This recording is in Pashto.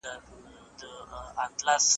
سینوهه خپلي تجربې موږ ته راکړې.